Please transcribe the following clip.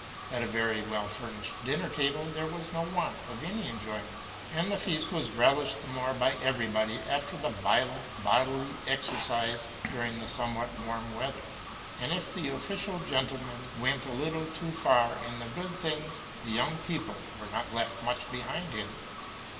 Ata very well furnished dinner table there was no want of any enjoyment; and the feast was relished the more by everybody, after the violent bodily exercise during the somewhat warm weather: and if the official gentleman went a little too far in the good things, the young people were not left much behind him.